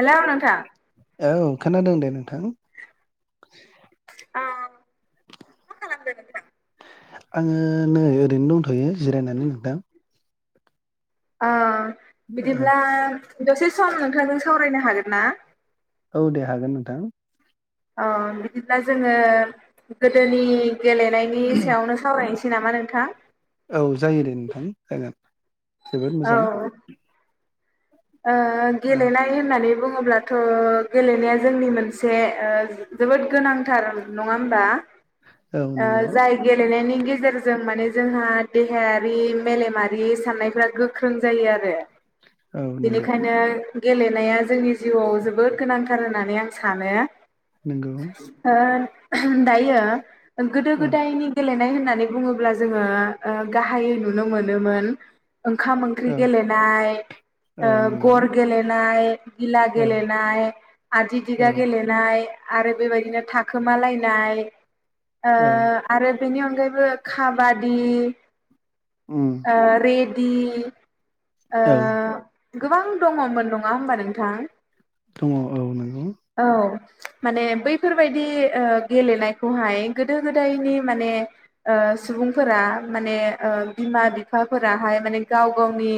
हेल' नोंथां। औ खोनादों दे नोंथां। आ माखालामदों नोंथां। आंओ नै ओरैनो दंथ'यो जिरायनानै नोंथां। औ बिदिब्ला दसे सम नोंथांजों सावरायनो हागोन ना? औ दे हागोन नोंथां। औ बिदिब्ला जोंओ गोदोनि गेलेनायनि सायावनो सावरायसै। नामा नोंथां। जोबोर औ मोजां। औ गेलेनाय होननानै बुङो। ब्लाथ' गेलेनाया जोंनि मोनसे जोबोद गोनांथार नङा होमबा? औ ओ नंगौ जाय गेलेनायनि। गेजेरजों माने जोंहा देहायारि मेलेमारि साननायफ्रा गोख्रों जायो आरो। [inaudible] औ नंगौ बेनिखायनो गेलेनाया जोंनि जिउआव जोबोद गोनांथार होननानै आं सानो। नंगौ दायो गोदो औ गोदायनि गेलेनाय। होननानै बुङोब्ला जोंओ गाहायै नुनो मोनोमोन। ओंखाम ओंख्रि औ गेलेनाय औ नंगौ गर गेलेनाय। गिला औ गेलेनाय आदि दिगा औ गेलेनाय। आरो बेबायदिनो थाखोमालायनाय औ आरो बेनि अनगायै। बो खाबादि उम रेदि। औ गोबां दङमोन नङा होमबा नोंथां? दङ औ नांगौ। औ माने बैफोरबायदि ओ गेलेनायखौहाय गोदो- गोदायनि माने ओ। सुबुंफोरा माने ओ बिमा-बिफाफोराहाय माने गाव-गावनि।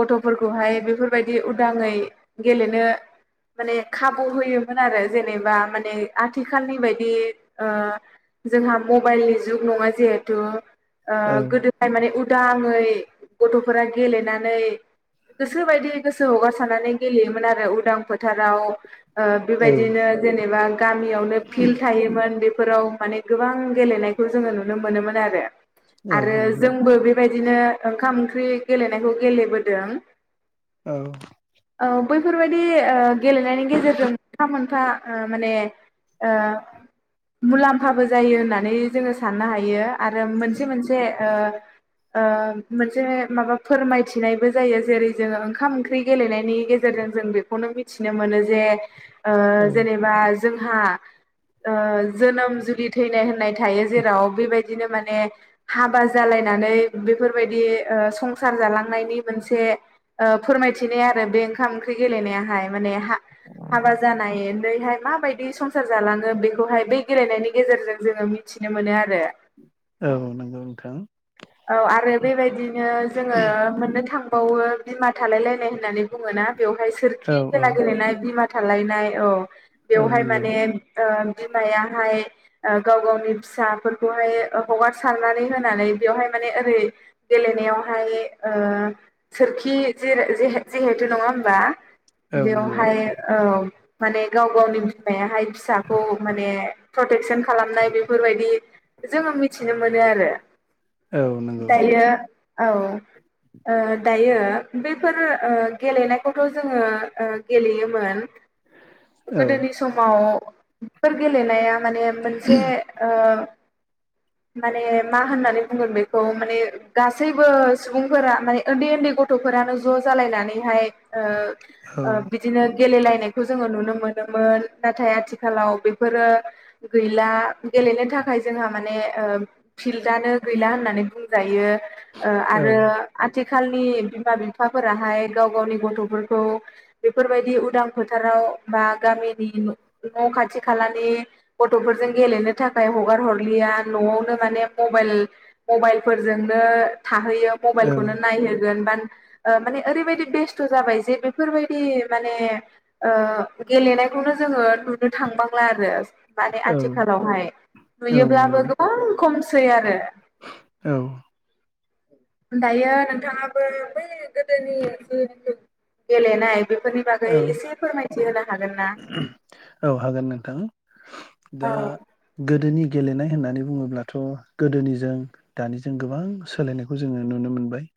गथ'फोरखौहाय बेफोरबायदि उदाङै गेलेनो। माने खाबु होयोमोन आरो जेनेबा माने आथिखालनि बायदि ओ। जोंहा मबाइलनि जुग नङा जिहेतु। ओ औ गोदो-गोदाय माने उदाङै गथ'फोरा गेलेनानै। गोसो बायदि गोसो हगारसारनानै गेलेयोमोन आरो उदां फोथाराव। ओ औ बेबायदिनो जेनेबा गामियावनो फिल्ड थायोमोन बे‌‌। फोराव माने गोबां गेलेनायखौ जोङो नुनो मोनोमोन औ आरो-आरो नंगौ जोंबो बेबायदि। बिदिनो ओंखाम-ओंख्रि गेलेनायखौ गेलेबोदों। औ। ओ बैफोरबायदि ओ गेलेनायनि गेजेरजों मोनफा-मोनफा। ओ माने ओ मुलाम्फाबो जायो होननानै जोङो साननो हायो। आरो मोनसे-मोनसे ओ। ओ मोनसे माबा फोरमायथिनायबो जायो जेरै- जोङो ओंखाम-ओंख्रि गेलेनायनि गेजेरजों जों बेखौनो मिथिनो मोनो जे- ओ औ जेनेबा जोंहा ओ जोनोम जु। थैनाय होननाय थायो जेराव बेबायदि। बिदिनो माने हाबा जालायनानै बेफोरबायदि संसार जालांनायनि मोनसे। ओ फोरमायथिनाय आरो बे ओंखाम-ओंख्रि गेलेनायाहाय माने हा-हाबा जानाय। ओरैहाय माबायदि संसार जालाङो बेखौहाय बै गेलेनायनि गेजेरजों जोङो मिथिनो मोनो आरो। औ नंगौ नोंथां। औ आरो बेबायदिनो जोङो मोननो थांबावो। बिमा थालायलायनाय होननानै बुङो ना बेवहाय औ सोरखि औ खेला गेलेनाय बिमा थालायनाय औ। औ बेवहाय नंगौ माने ओ बिमायाहाय। ओ गाव-गावनि फिसाफोरखौहाय हगार सारनानै होनानै। बेयावहाय माने ओरै गेलेनायावहाय ओ सोरखि जेर जरै। नङा होमबा? औ नंगौ बेवहाय औ। माने गाव-गावनि बिमायाहाय फिसाखौ माने प्रटेकसन खालामनाय बेफोरबायदि। जोङो मिथिनो मोनो आरो औ नंगौ दायो औ। ओ दायो बेफोर ओ गेलेनायखौथ' जोङो ओ गेलेयोमोन। औ गोदोनि समाव। गेलेनाया माने मोनसे ओ माने मा होननानै। बुंगोन बेखौ माने गासैबो सुबुंफोरा माने ओन्दै-ओन्दै गथ'फोरानो ज' जालायनानैहाय। औ ओ-ओ बिदिनो। गेले लायनायखौ जोङो नुनो मोनोमोन नाथाय आथिखालाव बेफोरो गैला। गेलेनो थाखाय जोंहा माने ओ फिल्डआनो। गैला होननानै बुंजायो ओ आरो औ आथिखाल। आथिखालनि बिमा-बिफाफोराहाय गाव-गावनि गथ'फोरखौ बेफोरबायदि उदां फोथाराव‌। बा गामिनि न' खाथि-खालानि गथ'फोरजों गेलेनो थाखाय हगार हरलि। गैया न'आवनो माने मबाइल। मबाइल फोरजोंनो थाहैयो मबाइलखौनो नायहोगोन बा। ओ माने ओरैबायदि बेस्थ' जाबाय जे बेफोरबायदि माने ओ गेलेनाय। बेखौनो जोङो नुनो थांबांला आरो। माने औ आथिखालावहाय औ नुयोब्लाबो नंगौ गोबां खमसै आरो। औ। दायो नोंथाङाबो बै गोदोनि। गेलेनाय बेफोरनि औ बागै एसे फोरमायथि होनो हागोन ना? औ हागोन नोंथां औ दा गोदोनि। गेलेनाय होननानै बुङोब्लाथ' गोदोनिजों दानिजों गोबां सोलायनायखौ जोङो नुनो मोनबाय।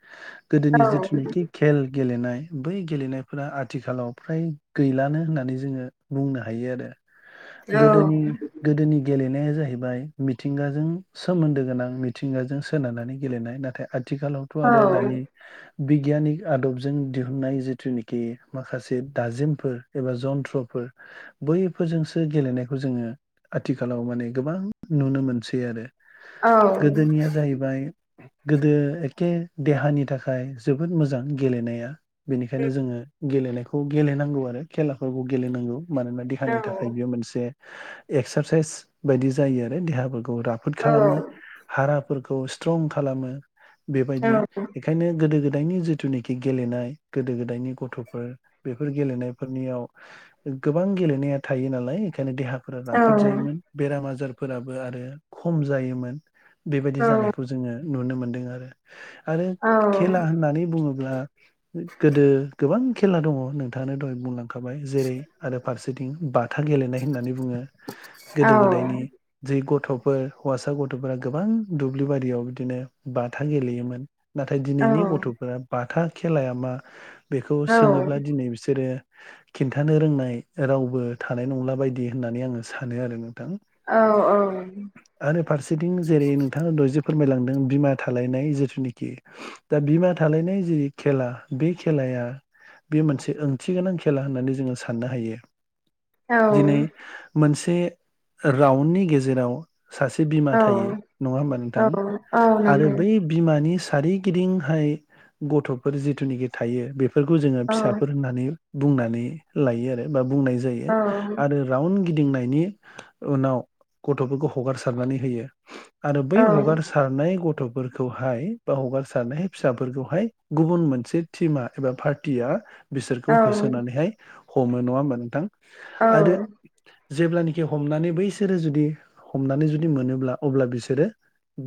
गोदोनि जिथुनोखि खेल गेलेनाय बै गेलेनायफोरा आथिखालाव फ्राय गैलानो होननानै जोङो बुंनो हायो आरो। औ गोदोनि गोदोनि गेले नाया जाहैबाय मिथिंगाजों सोमोन्दो गोनां मिथिंगाजों सोनारनानै गेलेनाय नाथाय आ आथिखालावथ' औ आरो दानि बिगियानिक आदबजों दिहुननाय जिथुनिखि माखासे दाजिमफोर एबा जन्थ्रफोर बैफोरजोंसो गेलेनायखौ जोङो आथिखालाव माने गोबां नुनो मोनसै आरो औ गोदोनिया जाहैबाय गोदो एक्खे देहानि थाखाय जोबोद मोजां गेलेनाया औ बेनिखायनो जोङो गेलेनायखौ गेलेनांगौ आरो खेलाफोरखौ गेलेनांगौ मानोना देहानि थाखाय बेयो मोनसे एक्सारसाइस बायदि जायो आरो देहाफोरखौ राफोद खालामो हाराफोर स्ट्रं खालामो बेबायदि बेखायनो गोदो गोदाय नि जिथुनाखि गेलेनाय गोदो गोदायनि गथ' बेफोर गेलेनायफोरनियाव गोबां गेलेनाया थायो नालाय बेंखायनो देहा फोर राफोद जायोमोन बेराम आजारफोराबो आरो खम जायोमोन। बेबायदि जानायखौ जोङो नुनो मोनदों आरो आरो खेला होननानै बुङोब्ला ओ गोदो गोबां खेला दङ नोंथाङानो दहय बुंलांखाबाय जेरै आरो फारसे बाथा गेलेनाय होननानै बुङो गोदो गोदायनि जि गथ' गथ'फोर हौवासा गथ'फोरा गोबां दुब्लि बारियाव बिदिनो बाथा गेलेयोमोन। नाथाय दिनैनि गथ'फोरा बाथा खेलाया मा बेखौ सोङोब्ला दिनै बिसोरो खिन्थानो रोंनाय रावबो थानाय नंला बायदि होननानै आङो सानो आरोना। थां आरो फारसेथिं जेरै नोंथाङा दहय फोरमायलांदों बिमा थालायनाय जिथुनिखि दा बिमा थालायनाय जि खेला बे खेलाया बे मोनसे ओंथि गोनां खेला होननानै जोङो साननो हायो। दिनै मोनसे रान्डनि गेजेराव सासे बिमा थायो नङा होमबा नोंथां आरो बै बिमानि सारिगिदिंहाय गथ'फोर जिथुनाखि थायो बेफोरखौ जोङो फिसाफोर होननानै बुंनानै लायो आरो बा बुंनाय जायो आरो राउन्ड गिदिंनायनि उनाव गथ'फोरखौ हगारसारनानै होयो। आरो बै हगार सारनाय गथ' गथ'फोरखौहाय बा हगारसारनायाय फिसाफोरखौहाय गुबुन मोनसे टिमा एबा पार्टिया बिसोरखौ होसोनानैहाय हमो नङा होना नोंथां। आरो जेब्लानोखि हमनानै बैसोरो जुदि हमनानै जुदि मोनोब्ला अब्ला बिसोरो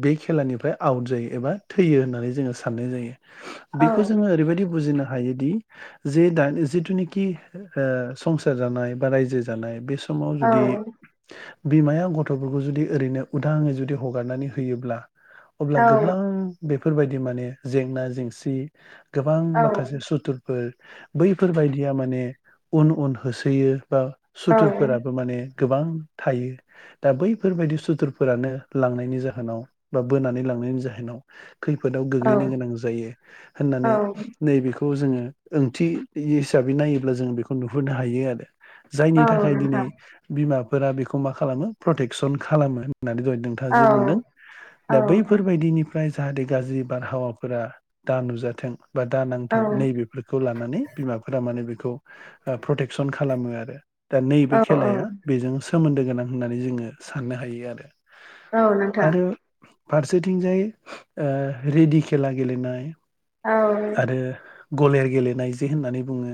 बे खेलानिफ्राय आउट जायो एबा थैयो होननानै जोङो साननाय जायो बेखौ जोङो ओरैबायदि बुजिनो हायोदि जि दा जितूनिखि ओ संसार जानाय बा रायजो जानाय बे समाव जुदि बिमाया गथ'फोरखौ जुदि ओरैनो उदाङै जुदि हगारनानै होयोब्ला अब्ला गोबां बेफोरबायदि माने जेंना जेंसि गोबां माखासे सुथुरफोर बैफोरबायदिया माने उन उन होसोयो बा सुथुरफोराबो माने गोबां थायो दा बैफोरबायाददि सुथुरफोरानो लांनायनि जाहोनाव बा बोनानै लां नायनि जोनाव खैफोदाव गोग्लैनो गोनां जायो होननानै बेखौ जोङो ओंथि हिसाबै नायोब्ला जों बेखौ नुहुरनो हायो आरो। जायनि थाखाय दिनै बिमाफोरा बेखौ मा खालामो प्रटेकसन खालामो। होननानै द नोंथाङा जे बुंदों दा बैफोरबायदिनिफ्राय जाहाथे गाज्रि बारहावाफोरा दा नुजाथों बा दा नांथों नै बेफोरखौ लानानै बिमाफोरा माने बेखौ प्रटेकसन खालामो आरो। दा नैबे खेलाया बेजों सोमोन्दो गोनां होननानै जोङो साननो हायो आरो औ नोंथां। आरो फारसेथिंजाय ओ रेडि खेला गेलेनाय। औ। आरो गलेर गेलेनाय जे होननानै बुङो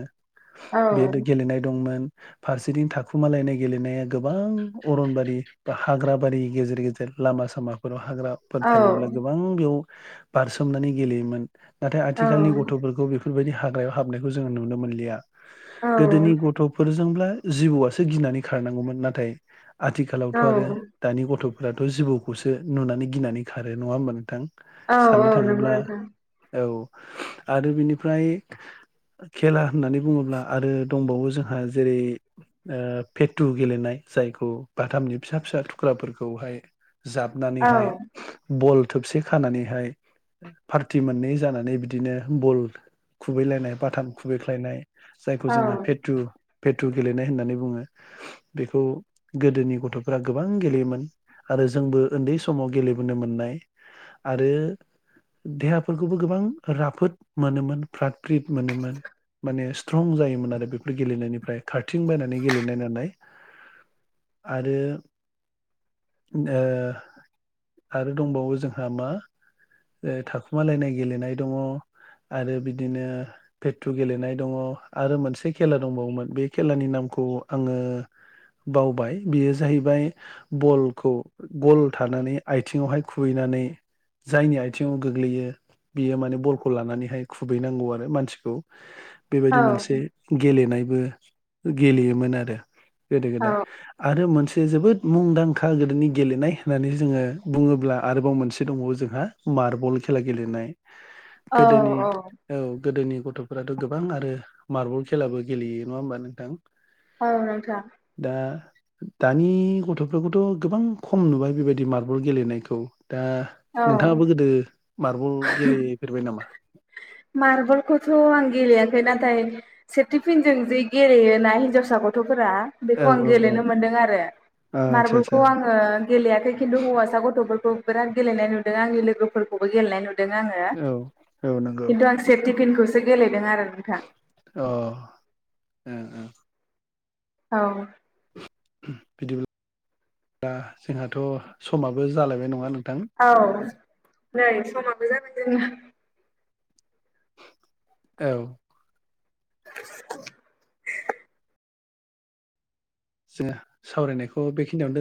बेदो गेलेनाय दंमोन। फारसेथिं थाखुमालायनाय गेलेनाया गोबां अरनबारि बा हाग्राबारि गेजेर-गेजेर। लामा सामाफोराव हाग्राफोर थायोब्ला गोबां बेयाव बारसोमनानै गेलेयोमोन। नाथाय आथिखालनि गथ'फोरखौ बेफोरबायदि हाग्रायाव हाबनायखौ जोङो नुनो मोनलिया। गोदोनि गथ'फोरजोंब्ला जिबौआसो गिनानै खारनांगौमोन नाथाय। आथिखालावथ' आरो दानि गथ'फोराथ' जिबौखौसो नुनानै गिनानै खारो नङा होमबा नोंथां। औ-औ साननो नोंगौ थाङोब्ला नोंथां। औ आरो बिनिफ्राय खेला होननानै बुङोब्ला आरो दंबावो जो जोंहा जेरै-। ओ फेटु गेलेनाय जायखौ बाथामनि फिसा-फिसा थुख्राफोरखौहाय। औ जाबनानैहाय बल थोबसे खानानैहाय फार्थि। टि मोननै जानानै बिदिनो बल खुबैलायनाय बाथाम खुबैख्लायनाय। जायखौ औ जोङो फेटु। पेटु गेलेनाय होननानै बुङो बेखौ गोदोनि गथ'फोरा गोबां गेलेयोमोन। आरो जोंबो ओन्दै समाव गेलेबोनो मोननाय आरो देहा। फोरखौबो गोबां राफोद मोनोमोन फ्रात फ्रित मोनोमोन माने। ट्रं जायोमोन आरो बेफोर गेलेनायनिफ्राय खारथिं बायनानै गेलेनाय नालाय। आरो।। ओ आरो दंबावो जोंहा मा ओ थाखो मा लायनाय गेलेनाय दङ। आरो बिदिनो फेटटु गेलेनाय दङ आरो मोनसे खेला दंबावोमोन बे खेलानि नाम खौ आङो। बावबाय बेयो जाहैबाय बलखौ गल थानानै आइथिङावहाय खुहैना। नानै जायनि आइथिङाव गोग्लैयो। बियो माने बलखौ लानानैहाय खुबैनांगौ आरो मानसिखौ। औ बेबायदि मोनसे गेलेनायबो गेलेयोमोन आरो। गोदो-गोदाय औ आरो मोनसे। जोबोद मुंदांखा गोदोनि गेलेनाय होननानै जोङो बुङोब्ला आरोबाव मोनसे दंबावो जोंहा। मारबल खेला गेलेनाय गोदोनि औ गोदोनि गथ'। फोराथ' गोबां आरो मार्बल खेलाबो गेलेयो नङा होमबा नोंथां। औ नोंथा। दा दानि गथ'फोरखौथ' गोबां खम नुबाय बेबायदि मार्बल गेलेनायखौ। दा नोंथाङाबो गोदो। मार्बल गेलेफेरबाय नामा मार्बल खौथ' आं गेलेया नाथाय सेेथिफिनजों जे गेलेयो ना हिनजावसा गथ' फोरा बेखौ औ आं औ औ गेलेनो मोन्दों आरो। आदसा आदसा मार्बलखौ आङो गेलेयाखै खिन्थु हौवासा गथ'फोरखौ। बिराद गेलेनाय नुदों आंनि लोगोफोरखौबो गेलेनाय नु दों आङो औ औ नंगौ किन्थु आं सेथिफिनखौ सो अ ओ-ओ। औ। बिदि ब्ला जोंहाथ' समाबो जालायबाय नङा नो औ नै समाबो जाबाय जोंना। औ। [unintelligible] [inaudible] जोङो सावरायनायखौ बेखिनियावनो दो